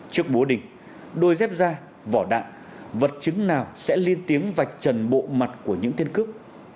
trước bố định đôi dép da vỏ đạn vật chứng nào sẽ liên tiếng vạch trần bộ mặt của những tên cướp